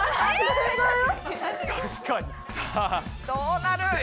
どうなる？